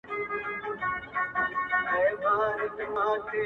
خدای چي له عرسه راکتل ما ورته دا وويل’